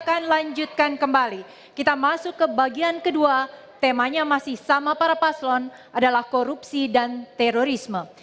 kita akan lanjutkan kembali kita masuk ke bagian kedua temanya masih sama para paslon adalah korupsi dan terorisme